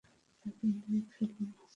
তাকে মেরে ফেল না।